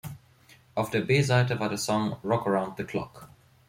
Auf der B-Seite war der Song „Rock Around the Clock“.